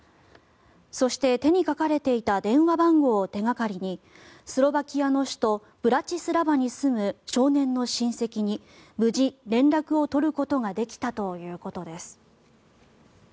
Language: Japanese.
そして、手に書かれていた電話番号を手掛かりにスロバキアの首都ブラチスラバに住む少年の親戚に無事、連絡を取ることができたということです。